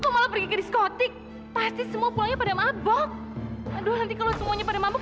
malah pergi ke diskotik pasti semua pulangnya pada mabuk aduh nanti kalau semuanya pada mabuk